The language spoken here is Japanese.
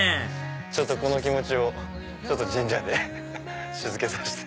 ちょっとこの気持ちを神社で静めさせて。